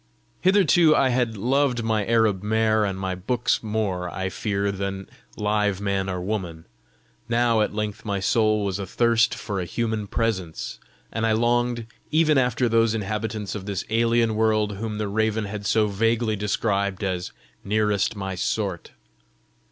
Hitherto I had loved my Arab mare and my books more, I fear, than live man or woman; now at length my soul was athirst for a human presence, and I longed even after those inhabitants of this alien world whom the raven had so vaguely described as nearest my sort.